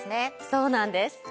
そうなんです。